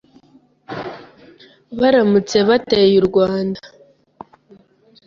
baramutse bateye u Rwanda